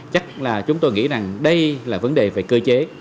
chắc là chúng tôi nghĩ rằng đây là vấn đề về cơ chế